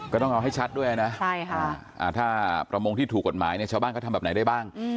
ก็ต้องเอาให้ชัดด้วยนะถ้าประมงที่ถูกกฎหมายเนี่ยชาวบ้านเขาทำแบบไหนได้บ้าง